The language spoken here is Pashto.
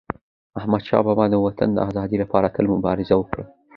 احمدشاه بابا د وطن د ازادی لپاره تل مبارزه وکړه.